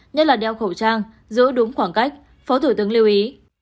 nhất là đeo khẩu trang giữ đúng khoảng cách phó thủ tướng lưu ý